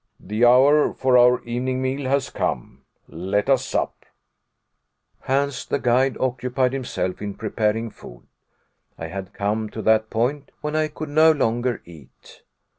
The hour for our evening meal has come let us sup." Hans, the guide, occupied himself in preparing food. I had come to that point when I could no longer eat.